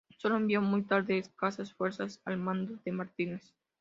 Sólo envió, muy tarde, escasas fuerzas al mando de Martínez.